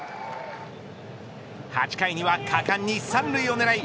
８回には果敢に３塁を狙い